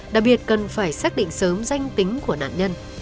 đặc biệt cần phải xác định sớm danh tính của nạn nhân